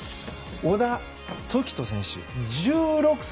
小田凱人選手、１６歳。